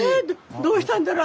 どうしたんだろう？